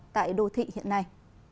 tại đô thị hiện nay